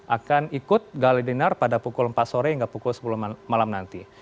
akan ikut gale dinar pada pukul empat sore hingga pukul sepuluh malam nanti